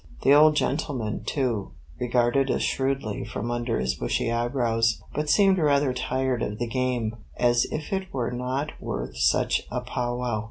The old gentleman, too, regarded us shrewdly from under his bushy eyebrows, but seemed rather tired of the game, as if it were not worth such a pow wow.